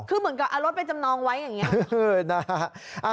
คือเหมือนกับเอารถไปจำนองไว้อย่างนี้